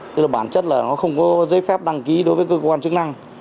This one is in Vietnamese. tức là bản chất là nó không có giấy phép đăng ký đối với cơ quan chức năng